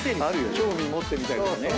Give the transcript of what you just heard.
興味持ってみたいなね。